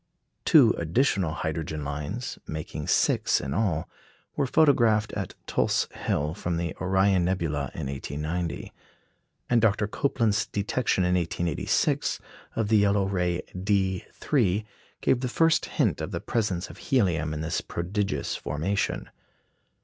Two additional hydrogen lines, making six in all, were photographed at Tulse Hill, from the Orion nebula, in 1890; and Dr. Copeland's detection in 1886 of the yellow ray D_3 gave the first hint of the presence of helium in this prodigious formation.